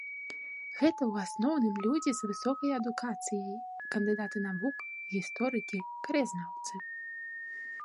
Гэта ў асноўным людзі з высокай адукацыяй, кандыдаты навук, гісторыкі, краязнаўцы.